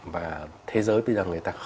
và thế giới bây giờ người ta